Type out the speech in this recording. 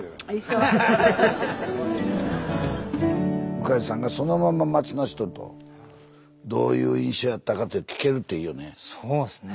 宇梶さんがそのまま町の人とどういう印象やったかって聞けるっていいよね。